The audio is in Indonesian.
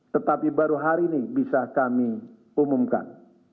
tetapi baru hari ini bisa kami umumkan